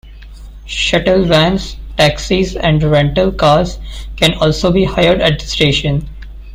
Shuttle vans, taxis and rental cars can also be hired at the station.